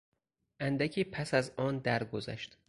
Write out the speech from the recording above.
اندکی پس از آن درگذشت.